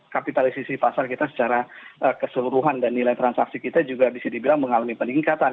kapitalisasi pasar kita secara keseluruhan dan nilai transaksi kita juga bisa dibilang mengalami peningkatan